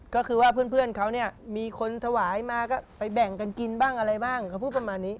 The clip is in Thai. ก็คือว่าเพื่อนเขาเนี่ยมีคนถวายมาก็ไปแบ่งกันกินบ้างอะไรบ้างเขาพูดประมาณนี้